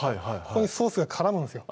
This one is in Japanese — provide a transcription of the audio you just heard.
ここにソースが絡むんですよ